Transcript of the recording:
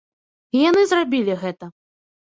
І яны зрабілі гэта.